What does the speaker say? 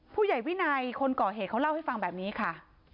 ผู้ใหญ่วินัยคนก่อเหตุเขาเล่าให้ฟังแบบนี้ค่ะ